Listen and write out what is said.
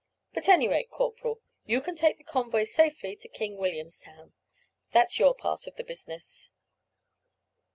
At any rate, corporal, you can take the convoy safely into King Williamstown. That's your part of the business."